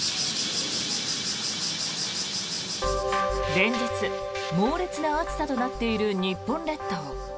連日、猛烈な暑さとなっている日本列島。